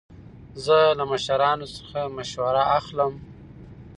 زه له مشرانو څخه مشوره اخلم.